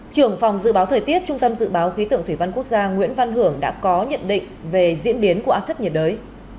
trưởng phòng dự báo thời tiết trung tâm dự báo khí tượng thủy văn quốc gia nguyễn văn hưởng đã có nhận định về diễn biến của áp thấp nhiệt đới